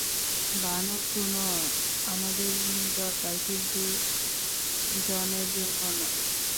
ভানু, শোনো, আমাদের মেয়ে দরকার, কিন্তু জনের জন্য নয়।